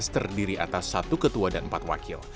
terdiri atas satu ketua dan empat wakil